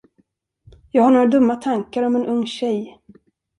Jag har några dumma tankar om en ung tjej.